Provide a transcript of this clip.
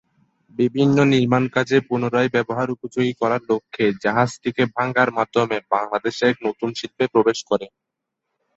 বিভিন্ন নির্মাণ কাজে পুনরায় ব্যবহার উপযোগী করার লক্ষ্যে জাহাজটিকে ভাঙ্গার মাধ্যমে বাংলাদেশ এক নতুন শিল্পে প্রবেশ করে।